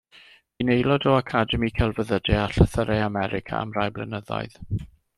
Bu'n aelod o Academi Celfyddydau a Llythyrau America am rai blynyddoedd.